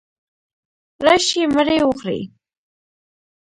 راشئ مړې وخورئ.